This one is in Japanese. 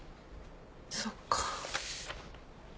そっか。